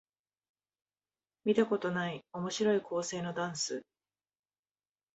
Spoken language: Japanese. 見たことない面白い構成のダンス